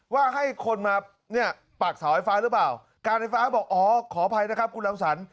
ว่าให้คนมาเนี่ยปากเสาไฟฟ้าหรือเปล่าการไฟฟ้าบอกอ๋อขออภัยนะครับคุณรังสรรค